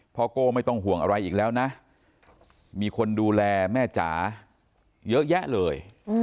โก้ไม่ต้องห่วงอะไรอีกแล้วนะมีคนดูแลแม่จ๋าเยอะแยะเลย